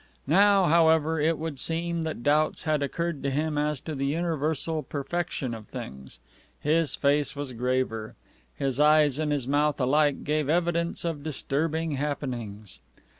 Now, however, it would seem that doubts had occurred to him as to the universal perfection of things. His face was graver. His eyes and his mouth alike gave evidence of disturbing happenings.